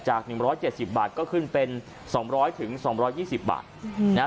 จากหนึ่งร้อยเจ็ดสิบบาทก็ขึ้นเป็นสองร้อยถึงสองร้อยยี่สิบบาทอืมนะฮะ